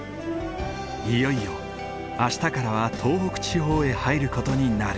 いよいよ明日からは東北地方へ入る事になる。